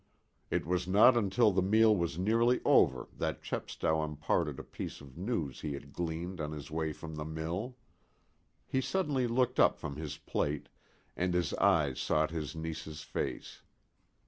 It was not until the meal was nearly over that Chepstow imparted a piece of news he had gleaned on his way from the mill. He suddenly looked up from his plate, and his eyes sought his niece's face.